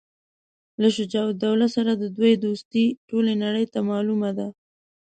له شجاع الدوله سره د دوی دوستي ټولي نړۍ ته معلومه ده.